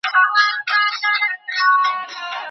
لکه نه وم په محفل کي نه نوبت را رسېدلی